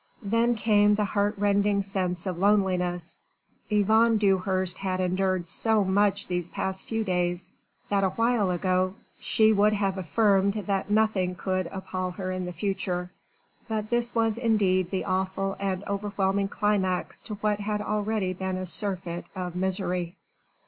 Then came the heartrending sense of loneliness. Yvonne Dewhurst had endured so much these past few days that awhile ago she would have affirmed that nothing could appal her in the future. But this was indeed the awful and overwhelming climax to what had already been a surfeit of misery.